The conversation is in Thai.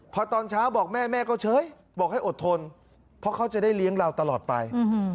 พอตอนเช้าบอกแม่แม่ก็เฉยบอกให้อดทนเพราะเขาจะได้เลี้ยงเราตลอดไป